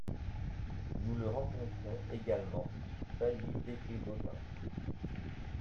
Nous le rencontrons également, bailli d’épée d’Autun.